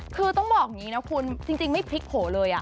คือต้องบอกอย่างนี้นะคุณจริงไม่พลิกโผล่เลย